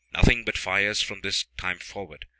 Nothing but fires from this time forward.